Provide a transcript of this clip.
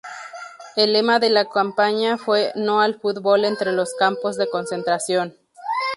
El lema de la campaña fue "No al fútbol entre los campos de concentración".